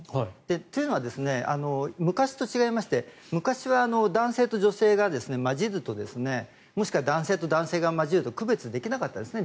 というのは、昔と違いまして昔は男性と女性が混じるともしくは男性と男性が交じると区別できなかったんですね